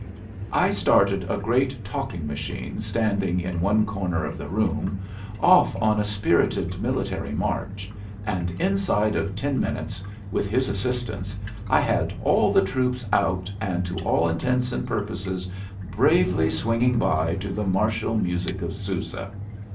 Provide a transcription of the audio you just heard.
I started a great talking machine standing in one corner of the room off on a spirited military march, and inside of ten minutes, with his assistance, I had all the troops out and to all intents and purposes bravely swinging by to the martial music of Sousa.